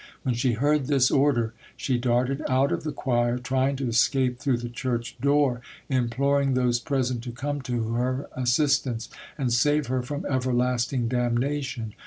When she heard this order, she darted out of the choir, trying to escape through the church door, imploring those present to come to her assistance and save her from everlasting damnation.